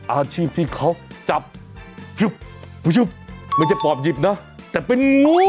อาชีพที่เขาจับไม่ใช่ปอบหยิบนะแต่เป็นงู